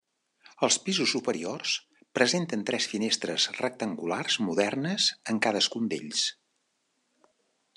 Els pisos superiors presenten tres finestres rectangulars modernes en cadascun d'ells.